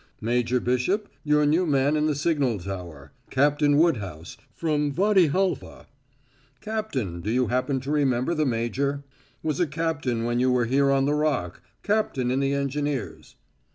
"Major Bishop, your new man in the signal tower, Captain Woodhouse, from Wady Halfa. Captain, do you happen to remember the major? Was a captain when you were here on the Rock captain in the engineers."